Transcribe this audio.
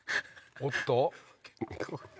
おっと？